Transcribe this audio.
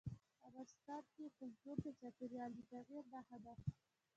افغانستان کې کلتور د چاپېریال د تغیر نښه ده.